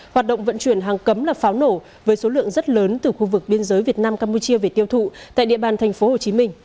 hoạt động vận chuyển hàng cấm là pháo nổ với số lượng rất lớn từ khu vực biên giới việt nam campuchia về tiêu thụ tại địa bàn tp hcm